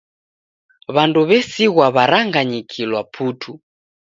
W'andu w'esighwa w'aranganyikilwa putu.